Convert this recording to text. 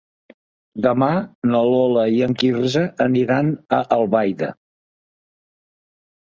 Demà na Lola i en Quirze aniran a Albaida.